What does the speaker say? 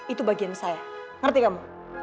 itu bagian saya ngerti kamu